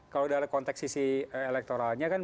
kalau dalam konteks sisi elektoralnya kan